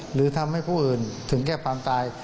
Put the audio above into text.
หรือทำให้ผู้อื่นถึงแก่ความตาย